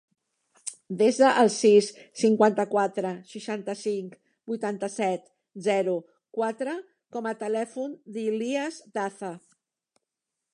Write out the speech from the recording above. Desa el sis, cinquanta-quatre, seixanta-cinc, vuitanta-set, zero, quatre com a telèfon de l'Ilyas Daza.